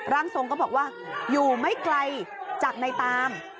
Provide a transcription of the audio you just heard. ร่างทรงก็บอกว่าอยู่ไม่ไกลจากในตาม